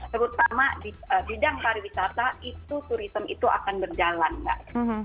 terutama di bidang pariwisata itu turism itu akan berjalan mbak